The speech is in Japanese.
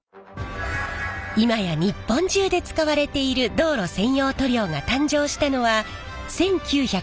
今や日本中で使われている道路専用塗料が誕生したのは１９５９年。